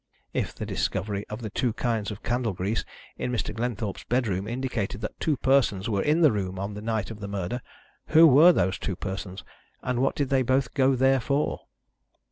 If the discovery of the two kinds of candle grease in Mr. Glenthorpe's bedroom indicated that two persons were in the room on the night of the murder, who were those two persons, and what did they both go there for?